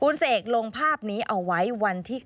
คุณเสกลงภาพนี้เอาไว้วันที่๙